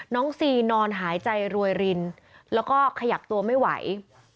ซีนอนหายใจรวยรินแล้วก็ขยับตัวไม่ไหว